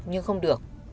nhưng không được